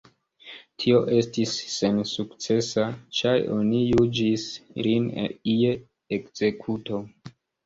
Tio estis sensukcesa, ĉar oni juĝis lin je ekzekuto.